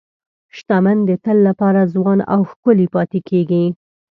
شتمن د تل لپاره ځوان او ښکلي پاتې کېږي.